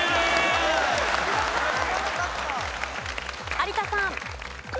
有田さん。